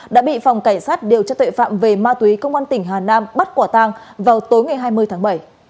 đã bị phòng cảnh sát điều tra tuệ phạm về ma túy công an tỉnh hà nam bắt quả tang vào tối ngày hai mươi tháng bảy